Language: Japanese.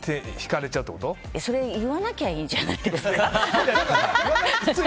それ言わなきゃいいじゃないですか。